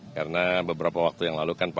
karena beberapa waktu yang lalu kan pak presiden